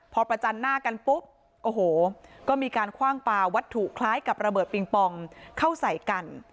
พอประจันหน้ากันปุ๊บโอ้โหก็มีการคว่างปลาวัตถุคล้ายกับระเบิดปิงปองเข้าใส่กัน